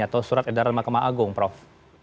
atau surat edaran mahkamah agung prof